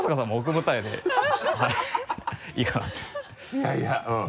いやいやうん。